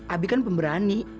abi kan pemberani